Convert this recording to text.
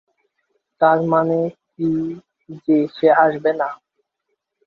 তার মানে কি যে সে আসবে না?